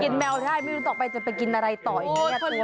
แมวได้ไม่รู้ต่อไปจะไปกินอะไรต่ออีก